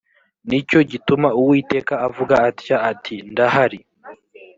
ni cyo gituma uwiteka avuga atya ati ndahari